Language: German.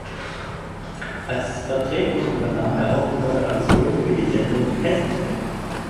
Als Vertretung übernahm er auch die Moderation für die Sendung "Hessen Tipp".